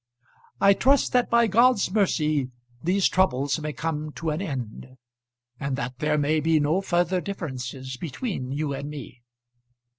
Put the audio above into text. I trust that by God's mercy these troubles may come to an end, and that there may be no further differences between you and me.